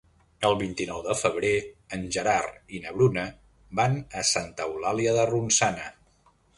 El vint-i-nou de febrer en Gerard i na Bruna van a Santa Eulàlia de Ronçana.